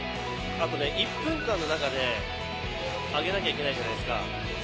あとね、１分間の中で挙げなきゃいけないじゃないですか。